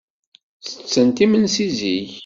Ttettent imensi zik.